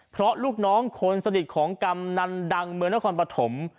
เพราะลูกน้องคนสดิใจของกำหนั่นดังเมืองหน้าคอนประถม